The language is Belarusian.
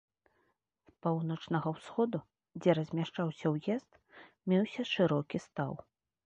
З паўночнага-ўсходу, дзе размяшчаўся ўезд, меўся шырокі стаў.